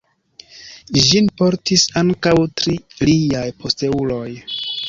Ĝin portis ankaŭ tri liaj posteuloj.